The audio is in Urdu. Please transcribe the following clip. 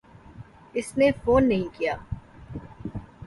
اس نے فون نہیں کیا۔